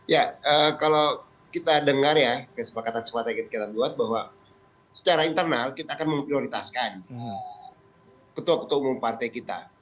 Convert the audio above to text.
ya kalau kita dengar ya kesepakatan sepakat kita buat bahwa secara internal kita akan memprioritaskan ketua ketua umum partai kita